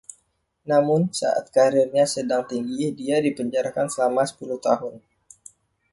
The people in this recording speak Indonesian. Namun, saat kariernya sedang tinggi, dia dipenjara selama sepuluh tahun.